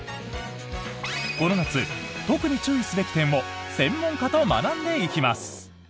この夏、特に注意すべき点を専門家と学んでいきます。